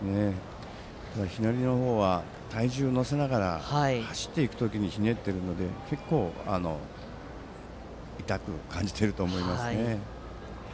左の方は体重を乗せながら走っていく時にひねっているので結構痛く感じていると思います。